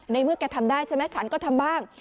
เมื่อแกทำได้ใช่ไหมฉันก็ทำบ้าง